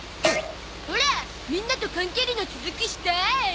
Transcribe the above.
オラみんなと缶けりの続きしたーい。